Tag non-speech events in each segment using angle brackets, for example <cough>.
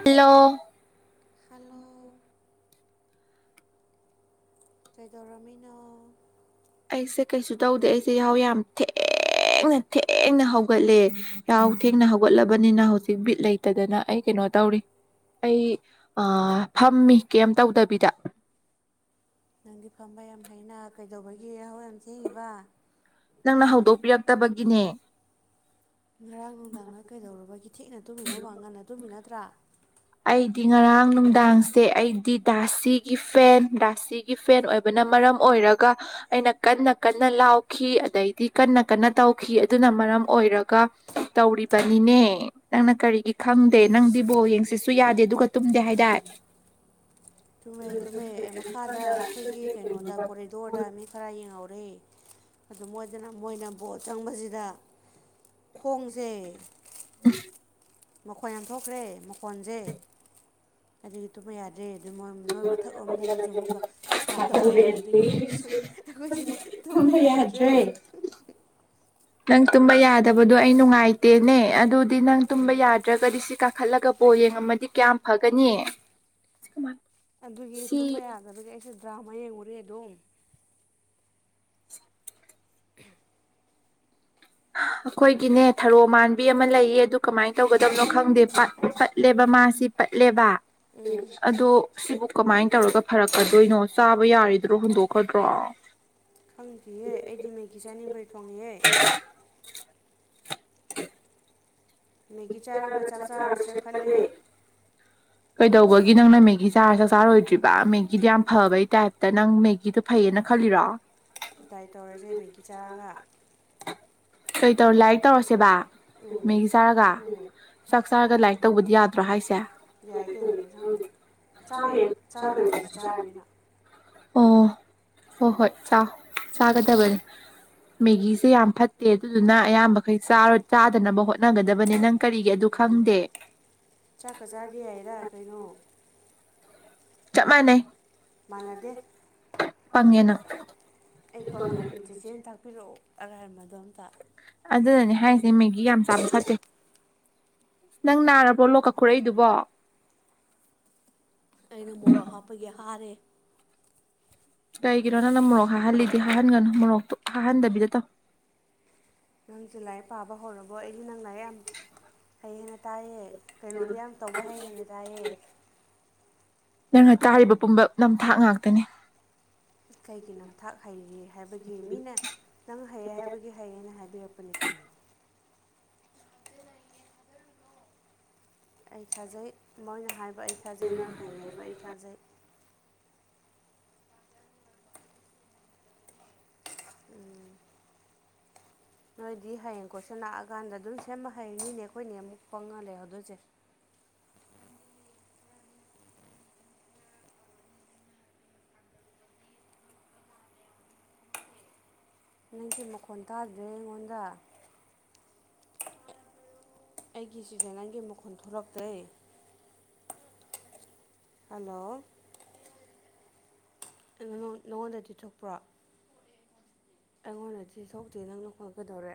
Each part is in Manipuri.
<inaudible> ꯈꯜꯂ‌ꯣ ꯀꯩꯗꯧꯔꯝꯃꯤꯅꯣ ꯑꯩꯁꯦ ꯀꯩꯁꯨ ꯇꯧꯗꯦ ꯑꯩꯁꯦ ꯏꯍꯥꯎ ꯌꯥꯝ ꯊꯦꯡꯅ-ꯊꯦꯡꯅ ꯍꯧꯒꯠꯂꯦ ꯍ ꯊꯦꯡꯅ ꯍꯧꯒꯠꯂꯕꯅꯤꯅ ꯍꯧꯖꯤꯛ ꯕꯤꯠ ꯂꯩꯇꯗꯅ ꯑꯩ ꯀꯩꯅꯣ ꯇꯧꯔꯤ ꯑꯩ ꯐꯝꯃꯤ ꯀꯦꯝ ꯇꯧꯗꯕꯤꯗ ꯅꯪꯗꯤ ꯐꯝꯕ ꯌꯥꯝ ꯍꯩꯅ ꯀꯩꯗꯧꯕꯒꯤ ꯌꯥꯍꯧ ꯌꯥꯝ ꯊ‌ꯦꯡꯏꯕ ꯅꯪꯅ ꯍꯧꯗꯣꯛꯄꯤꯔꯛꯇꯕꯒꯤꯅꯦ ꯉꯔꯥꯡ ꯅꯨꯡꯗꯥꯡꯅ ꯀꯩꯗꯧꯔꯨꯕꯒꯤ ꯊꯦꯡꯅ ꯇꯨꯝꯃꯤꯅꯣꯕ ꯉꯟꯅ ꯇꯨꯝꯃꯤ ꯅꯠꯇ꯭ꯔꯥ ꯑꯩꯗꯤ ꯉꯔꯥꯡ ꯅꯨꯡꯗꯥꯡꯁꯦ ꯑꯩꯗꯤ ꯗꯥꯁꯤꯒꯤ ꯐꯦꯟ ꯗꯥꯁꯤ ꯒꯤ ꯐꯦꯟ ꯑꯣꯏꯕꯅ ꯃꯔꯝ ꯑꯣꯏꯔꯒ ꯑꯩꯅ ꯀꯟꯅ-ꯀꯟꯅ ꯂꯥꯎꯈꯤ ꯑꯗꯩꯗꯤ ꯀꯟꯅ-ꯀꯟꯅ ꯇꯧꯈꯤ ꯑꯗꯨꯅ ꯃꯔꯝ ꯑꯣꯏꯔꯒ ꯇꯧꯔꯤꯕꯅꯤꯅꯦ ꯅꯪꯅ ꯀꯔꯤꯒꯤ ꯈꯪꯗꯦ ꯅꯪꯗꯤꯕꯣꯔ ꯌꯦꯡꯁ‌ꯦꯁꯨ ꯁꯨ ꯌꯥꯗꯦ ꯑꯗꯨꯒ ꯇꯨꯝꯗꯦ ꯍꯥꯏꯇꯥꯔꯦ ꯆꯨꯝꯃꯦ-ꯆꯨꯝꯃꯦ ꯃꯈꯥꯗ ꯑꯩꯈꯣꯏꯒꯤ ꯀꯩꯅꯣꯗ ꯀꯣꯔꯤꯗꯣꯔꯗ ꯃꯤ ꯈꯔ ꯌꯦꯡꯍꯧꯔꯏ ꯑꯗꯨ ꯃꯣꯏꯗꯅ ꯃꯣꯏꯅ ꯕꯣꯠ ꯆꯪꯕꯁꯤꯗ ꯈꯣꯡꯖ‌ꯦ <unintelligible> ꯃꯈꯣꯟ ꯌꯥꯝ ꯊꯣꯛꯈ꯭ꯔꯦ ꯃꯈꯣꯟꯖ‌ꯦ ꯑꯗꯨꯒꯤ ꯇꯨꯝꯕ ꯌꯥꯗꯦ ꯑꯗꯨꯣꯏ ꯅꯣꯏ ꯃꯊꯛꯔꯣꯝꯗꯅꯁꯨ ꯑꯃꯨꯛꯀ ꯁꯨꯃꯥꯏꯅ ꯇꯧꯔꯦ ꯑꯗꯨꯗꯒꯤꯁꯨ ꯑꯩꯈꯣꯏꯁꯦ ꯊꯨꯝꯕ ꯌꯥꯗ꯭ꯔꯦ ꯅꯪ ꯇꯨꯝꯕ ꯌꯥꯗꯕꯗꯣ ꯑꯩ ꯅꯨꯡꯉꯥꯏꯇꯦꯅꯦ ꯑꯗꯨꯗꯤ ꯅꯪ ꯇꯨꯝꯕ ꯌꯥꯗ꯭ꯔꯒꯗꯤ ꯁꯤ ꯀꯥꯈꯠꯂꯒ ꯑꯣ ꯌꯦꯡꯉꯝꯃꯗꯤ ꯀꯌꯥꯝ ꯐꯒꯅꯤ ꯑꯗꯨꯒꯤ ꯇꯨꯝꯕ ꯁꯤ ꯌꯥꯗꯕꯒꯤ ꯑꯩꯁꯦ ꯗ꯭ꯔꯥꯃ ꯌꯦꯡꯉꯨꯔꯦ ꯑꯗꯨꯝ ꯑꯈꯣꯏꯒꯤꯅꯦ ꯊꯔꯣ ꯃꯥꯟꯕꯤ ꯑꯃ ꯂꯩꯌꯦ ꯑꯗ‌ꯣ ꯀꯃꯥꯏꯅ ꯇꯧꯒꯗꯕꯅꯣ ꯈꯪꯗꯦꯠ ꯄꯠ-ꯄꯠꯂꯦꯕ ꯃꯥꯁꯤ ꯄꯠꯂꯦꯕ ꯑꯗꯣ ꯁꯤꯕꯨ ꯀꯃꯥꯏꯅ ꯇꯧꯔꯒ ꯐꯔꯛꯀꯗꯣꯏꯅꯣ ꯆꯥꯕ ꯌꯥꯔꯤꯗ꯭ꯔꯣ ꯍꯨꯟꯗꯣꯛꯈꯗ꯭ꯔꯣ ꯈꯪꯈꯤꯍꯦ ꯑꯩꯗꯤ ꯃꯤꯀꯤꯆꯥꯥꯅꯤꯡꯕꯩ ꯊꯣꯡꯉꯤꯍꯦ <unintelligible> <unintelligible> ꯃꯦꯒꯤ ꯆꯥꯔꯒ ꯆꯥꯛ ꯆꯥꯔꯔ‌ꯣꯏꯁꯤꯔ ꯈꯜꯂꯦ ꯀꯩꯗꯧꯕꯒꯤ ꯅꯪꯅ ꯃꯦꯒꯤ ꯆꯥꯔ ꯆꯥꯛ ꯆꯥꯔꯣꯏꯗ꯭ꯔꯤꯕ ꯃꯦꯒꯤꯗ‌ꯣ ꯌꯥꯝ ꯐꯕꯩ ꯇꯥꯏꯞꯇ ꯅꯪ ꯃꯦꯒꯤꯗ‌ꯣ ꯐꯩꯌꯦꯅ ꯈꯜꯂꯤꯔꯥ ꯗꯥꯏ ꯇꯧꯔꯖ‌ꯦ ꯃꯦꯒꯤ ꯆꯥꯔꯒ ꯀꯩ ꯇꯧꯔ ꯂꯥꯏꯔꯤꯛ ꯇꯧꯔꯁꯦꯕ ꯃꯦꯒꯤ ꯆꯥꯔꯒ ꯆꯥꯛ ꯆꯥꯔꯒ ꯂꯥꯏꯔꯤꯛ ꯇꯧꯕꯗꯤ ꯌꯥꯗ꯭ꯔꯣ ꯍꯥꯏꯁꯦ ꯌꯥꯏ ꯀꯩꯅꯣ ꯑ‌ꯦꯟꯁꯥꯡꯅꯤ ꯆꯥꯛꯀ <inaudible> ꯆꯥꯛꯀ ꯃꯦꯒꯤꯖ‌ꯦ ꯆꯥꯔꯒ‌ꯦ ꯑꯩꯅ ꯑꯣ ꯍꯣꯏ ꯍꯣꯏ ꯆꯥꯒꯗꯕꯅꯤ ꯃꯦꯒꯤꯁꯦ ꯌꯥꯝ ꯐꯠ ꯠꯇꯦ ꯑꯗꯨꯗꯨꯅ ꯑꯌꯥꯝꯕꯈꯩ ꯆꯥꯗꯅꯕ ꯍꯣꯠꯅꯒꯗꯕꯅꯦ ꯅꯪ ꯀꯔꯤꯒꯤ ꯑꯗꯨ ꯈꯪꯗꯦ ꯆꯥꯛꯀ ꯆꯥꯒꯦ ꯍꯥꯏꯔ ꯀꯩꯅꯣ ꯆꯞ ꯃꯥꯟꯅꯩ ꯃꯥꯟꯅꯗꯦ ꯄꯪꯉꯦꯅ ꯑꯩ ꯄꯪꯉ‌ꯦ ꯎꯝ ꯆꯤꯆ‌ꯦꯅ ꯇꯥꯛꯄꯤꯔꯛꯑꯣ ꯑꯔꯥꯏꯃꯗꯣ ꯑꯝꯇ ꯑꯗꯨꯅꯅꯦ ꯑꯗꯨ ꯍꯥꯏꯔꯤꯁꯦ ꯃꯦꯒꯤ ꯌꯥꯝ ꯆꯥꯕ ꯐꯠꯇꯦ ꯅꯪ ꯅꯥꯔꯕ꯭ꯔꯣ ꯂꯣꯛꯀ ꯈꯨꯔꯛꯏꯗꯨꯕꯣ ꯄꯥꯒꯤ ꯍꯥꯔꯦ ꯀꯩꯒꯤꯅꯣ ꯅꯪꯅ ꯃꯣꯔꯣꯛ ꯍꯥꯍꯜꯂꯤꯗꯤ ꯍꯥꯍꯟꯒꯅꯨ ꯃꯣꯔꯣꯛꯇꯣ ꯍꯥꯍꯟꯗꯕꯤꯗ ꯇꯧ ꯅꯪꯁꯦ ꯂꯥꯏꯔꯤꯛ ꯄꯥꯕ ꯍꯧꯔꯕꯣ ꯑꯩꯁꯦ ꯅꯪ ꯂꯥꯏꯔꯤꯛ ꯌꯥꯝ ꯐꯩ ꯍꯥꯏꯅ ꯇꯥꯏꯌꯦ ꯀꯩꯅꯣꯗꯤ ꯌꯥꯝ ꯇꯧꯕ ꯍꯩꯌꯦꯅ ꯇꯥꯏꯌꯦ ꯅꯪꯅ ꯇꯥꯔꯤꯕ ꯄꯨꯝꯕ ꯅꯝꯊꯥꯛ ꯉꯥꯛꯇꯅꯤ ꯀꯩꯒꯤ ꯅꯝꯊꯥꯛ ꯍꯩꯔꯤꯅꯤ ꯍꯥꯏꯕꯒꯤ ꯃꯤꯅ ꯅꯪ ꯍꯩꯌꯦ ꯍꯥꯏꯕꯒꯤ ꯍꯩꯌꯦꯅ ꯍꯥꯏꯕꯤꯔꯛꯄꯅꯤ ꯀꯩꯅꯣ ꯑꯩ ꯊꯥꯖꯩ ꯃꯣꯏꯅ ꯍꯥꯏꯕ ꯑꯩ ꯊꯥꯖꯩ ꯅꯪ ꯍꯩ ꯍꯥꯏꯕ ꯑꯩ ꯊꯥꯖꯩ ꯎꯝ ꯅꯣꯏꯗꯤ ꯍꯌꯦꯡ ꯀꯣꯏꯁꯟ ꯂꯥꯛꯑꯀꯥꯟꯗ ꯑꯗꯨꯝ ꯁꯦꯝꯕ ꯍꯩꯅꯤꯅꯦ ꯑꯩꯈꯣꯏꯅꯦ ꯑꯃꯨꯛ ꯄ‌ꯪꯉꯒ ꯂꯩꯍꯧ ꯗ‌ꯣꯏꯁ‌ꯦ ꯅꯪꯁꯦ ꯃꯈꯣꯟ ꯇꯥꯗ꯭ꯔꯦ ꯑꯩꯉꯣꯟꯗ ꯑꯩꯒꯤ ꯆꯖꯅꯥꯟꯒꯤ ꯃꯈꯣꯟ ꯊꯣꯛꯂꯛꯇ꯭ꯔꯦ ꯍꯜꯂꯣ <inaudible> ꯅꯉ‌ꯣꯟ-ꯅꯉꯣꯟꯗꯗꯤ ꯊꯣꯛꯄ꯭ꯔꯣ ꯑꯩꯉꯣꯟꯗꯗꯤ ꯁꯣꯛꯇꯦ ꯅꯪ ꯅꯈ‌ꯣꯟꯀꯩꯗꯧꯔꯦ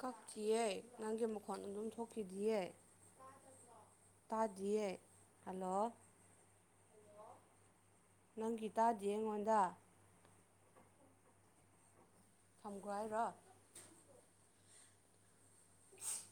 ꯀꯛꯇꯤꯌꯦ ꯅꯪꯒꯤ ꯃꯈꯣꯟ ꯑꯗꯨꯝ ꯊꯣꯛꯈꯤꯗꯤꯌꯦ ꯇꯥꯗꯤꯌꯦ ꯍꯜꯂꯣ ꯍꯜꯂ‌ꯣ ꯅꯪꯒꯤ ꯇꯥꯗꯤꯌ‌ꯦ ꯑꯩꯉꯣꯟꯗ ꯊꯝꯒꯔꯣ ꯍꯥꯏꯔ‌ꯣ <unintelligible>